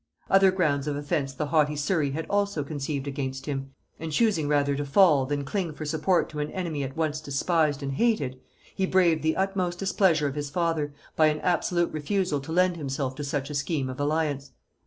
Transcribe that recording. Other grounds of offence the haughty Surry had also conceived against him; and choosing rather to fall, than cling for support to an enemy at once despised and hated, he braved the utmost displeasure of his father, by an absolute refusal to lend himself to such a scheme of alliance.